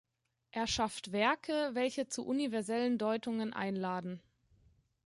Er schafft Werke, welche zu universellen Deutungen einladen.